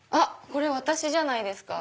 これ私じゃないですか？